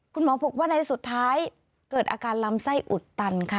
คุณหมอบอกว่าในสุดท้ายเกิดอาการลำไส้อุดตันค่ะ